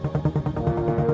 ya udah gue jalanin dulu